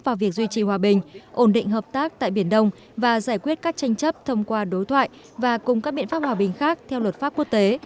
vào việc duy trì hòa bình ổn định hợp tác tại biển đông và giải quyết các tranh chấp thông qua đối thoại và cùng các biện pháp hòa bình khác theo luật pháp quốc tế